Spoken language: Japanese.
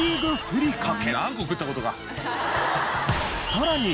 さらに。